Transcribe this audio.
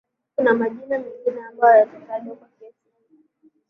kuna majina mengine ambayo yatatajwa katika kesi hii